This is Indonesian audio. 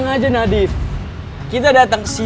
ngakuin kekalahan lo